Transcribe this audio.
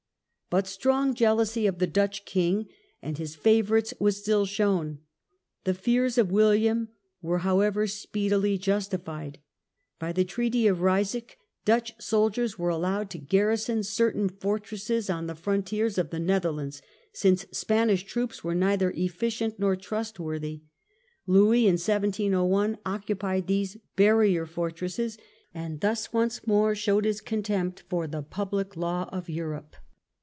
But strong jealousy of the Dutch king and his favourites was still shown. The fears of William were, however, speedily justified. By the Peace of Ryswick Dutch soldiers were allowed to garrison certain fortresses on the frontiers of the Netherlands, since Spanish troops were neither efficient nor trustworthy. Louis in 1701 occupied these "Barrier Fortresses", and thus once more showed his contempt for the public law of Europe.